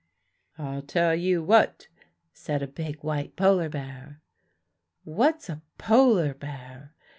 "'I'll tell you what,' said a big white polar bear" "What's a polar bear?"